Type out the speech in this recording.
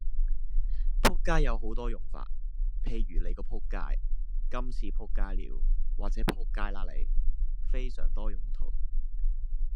仆街有好多用法，譬如你個仆街，今次仆街了或者仆街啦你，非常多用途